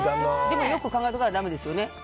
でもよく考えないとだめですよね。